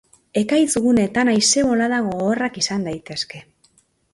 Ekaitz-guneetan haize-bolada gogorrak izan daitezke.